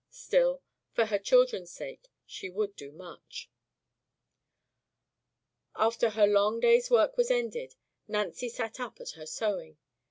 Still, for her children's sake, she would do much. After her long day's work was ended, Nancy sat up at her sewing.